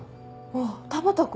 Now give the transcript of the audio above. あっ田畑君。